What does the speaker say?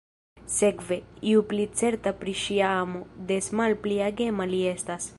Sekve, ju pli certa pri ŝia amo, des malpli agema li estas.